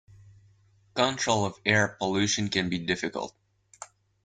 Control of air pollution can be difficult.